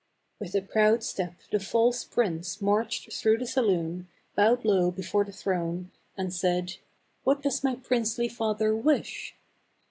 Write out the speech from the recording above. With a proud step the false prince marched through the saloon, bowed low before the throne, and said, " What does my princely father wish?"